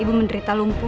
ibu menderita lumpuh